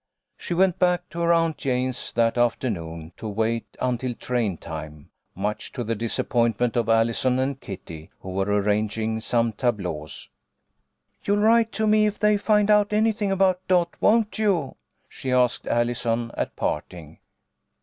She went back to her Aunt Jane's that afternoon to wait until train time, much to the disappointment of Allison and Kitty, who were arranging some tableaux. "You'll write to me if they find out anything about Dot, won't you ?" she asked Allison at parting.